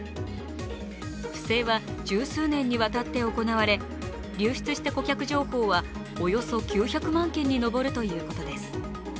不正は十数年にわたって行われ流出した顧客情報はおよそ９００万件に上るということです。